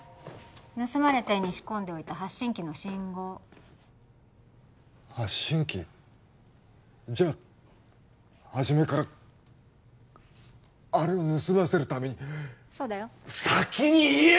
盗まれた絵に仕込んでおいた発信器の信号発信器じゃあはじめからあれを盗ませるためにそうだよ先に言え！